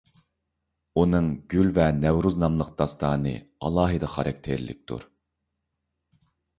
ئۇنىڭ «گۈل ۋە نەۋرۇز» ناملىق داستانى ئالاھىدە خاراكتېرلىكتۇر.